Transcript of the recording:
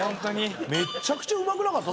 めっちゃくちゃうまくなかった？